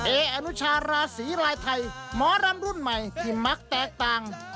เอออนุชาราศีลายไทยหมอรำรุ่นใหม่ที่มักแตกต่าง